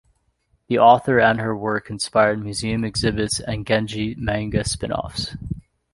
The author and her work inspired museum exhibits and Genji manga spin-offs.